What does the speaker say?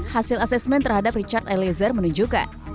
hasil asesmen terhadap richard eliezer menunjukkan